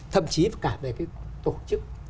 thậm chí cả về cái tổ chức